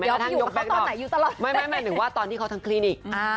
ยองเทียบว่าเขาอยู่ตอนไหนแน่ว่าตอนที่เขาทั้งคลินิก